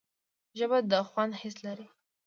ژبه د خوند حس لري